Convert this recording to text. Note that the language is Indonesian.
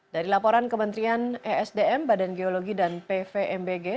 dari laporan kementerian esdm badan geologi dan pvmbg